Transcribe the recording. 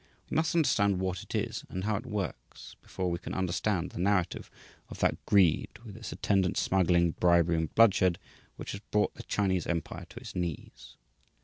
We must understand what it is and how it works before we can understand the narrative of that greed, with its attendant smuggling, bribery and bloodshed which has brought the Chinese empire to its knees.